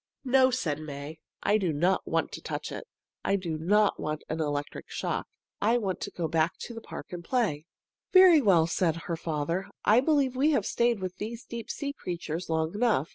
"No!" said May. "I don't want to touch it. I don't want an electric shock. I want to go back to the park and play." "Very well," said her father. "I believe we have stayed with these deep sea creatures long enough.